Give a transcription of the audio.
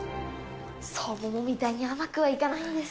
そう、桃みたいに甘くはいかないんです。